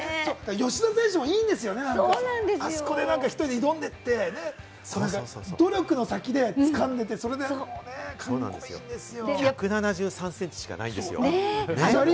吉田選手もいいんですよね、あそこで１人で挑んでいって、努力の先で掴んでいって、それでもうねぇ、カッコいいです１７３センチしかないんですよ。